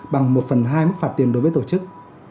bằng một phần hai mức phạt tiền đối với tổ chức